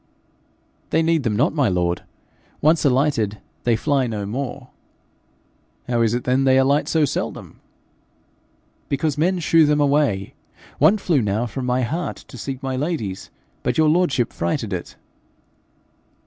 'They need them not, my lord. Once alighted, they fly no more.' 'How is it then they alight so seldom?' 'Because men shoo them away. One flew now from my heart to seek my lady's, but your lordship frighted it.'